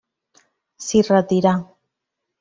S'hi retirà.